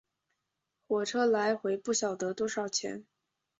火车来回不晓得多少钱